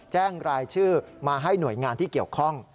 แจ้งรายชื่อมาให้หน่วยงานที่เกี่ยวข้อง